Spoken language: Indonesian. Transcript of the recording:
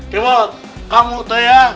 kemot kamu teh ya